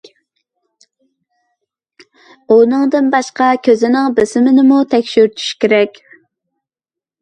ئۇنىڭدىن باشقا، كۆزنىڭ بېسىمىنىمۇ تەكشۈرتۈش كېرەك.